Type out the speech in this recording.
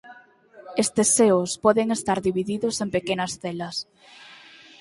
Estes seos poden estar divididos en pequenas celas.